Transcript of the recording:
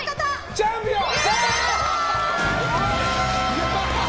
チャンピオン！